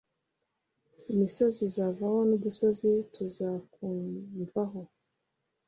«Imisozi izavaho n'udusozi tuzakumvaho,